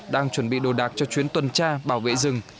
đang chuẩn bị đồ đạc cho chuyến tuần tra bảo vệ rừng